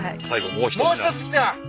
もう一つ来た！